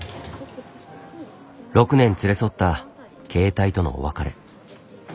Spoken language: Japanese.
６年連れ添った携帯とのお別れ。